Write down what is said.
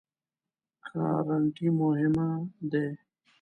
ګارنټي مهمه دی؟